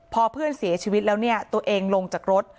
พอเพื่อนเสียชีวิตแล้วเนี่ยตัวเองลงจากรถ